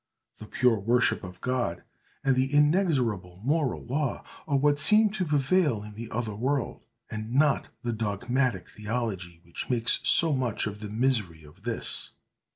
The pure worship of God, and the inexorable moral law, are what seem to prevail in the other world, and not the dogmatic theology which makes so much of the misery of this.